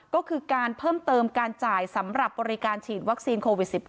ก็คือการเพิ่มเติมการจ่ายสำหรับบริการฉีดวัคซีนโควิด๑๙